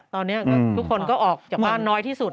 ตอนนี้ทุกคนก็ออกจากบ้านน้อยที่สุด